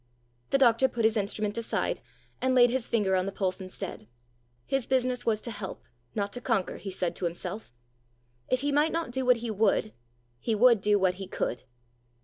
The doctor put his instrument aside, and laid his finger on the pulse instead: his business was to help, not to conquer, he said to himself: if he might not do what he would, he would do what he could.